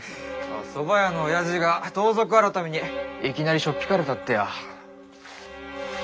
そば屋のおやじが盗賊改にいきなりしょっ引かれたってよ。